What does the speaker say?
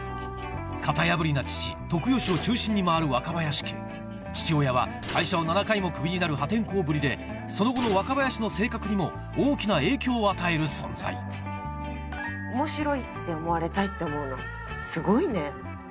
型破りな父徳義を中心に回る若林家父親は会社を７回もクビになる破天荒ぶりでその後の若林の性格にも大きな影響を与える存在面白いって思われたいって思うのすごいね。